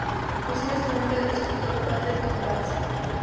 Recibe su nombre del escultor Bertel Thorvaldsen.